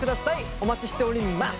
お待ちしております！